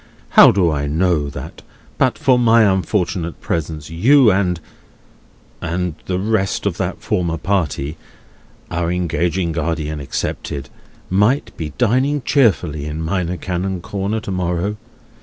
How do I know that, but for my unfortunate presence, you, and—and—the rest of that former party, our engaging guardian excepted, might be dining cheerfully in Minor Canon Corner to morrow?